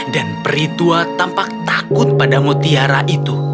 dan peritua tampak takut pada mutiara itu